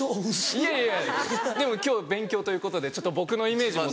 いやいやでも今日勉強ということで僕のイメージもちょっと。